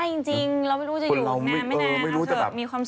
ใช่จริงเราไม่รู้จะอยู่อีกนานไม่นานนะว่าเธอมีความสุข